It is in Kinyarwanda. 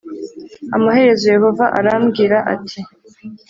amaherezo yehova arambwira ati